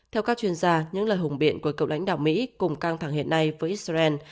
theo các chuyên gia những lời hùng biện của cựu lãnh đạo mỹ cùng căng thẳng hiện nay với israel